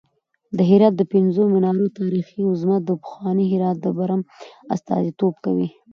د هرات د پنځو منارونو تاریخي عظمت د پخواني هرات د برم استازیتوب کوي.